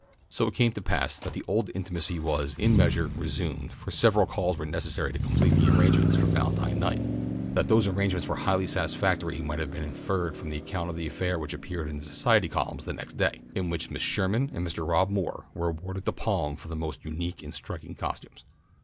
So it came to pass that the old intimacy was, in a measure, resumed, for several calls were necessary to complete the arrangements for Valentine night. That those arrangements were highly satisfactory might have been inferred from the account of the affair which appeared in the Society columns next day, in which Miss Sherman and Mr. Rob Moore were awarded the palm for the most unique and striking costumes.